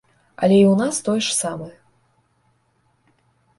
Але і ў нас тое ж самае.